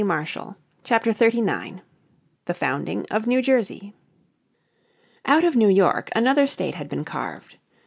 __________ Chapter 39 The Founding of New Jersey Out of New York another state had been carved.